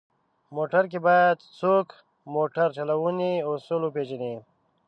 موټر کې باید څوک موټر چلونې اصول وپېژني.